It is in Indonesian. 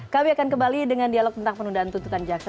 kami akan kembali dengan dialog tentang penundaan tuntutan jaksa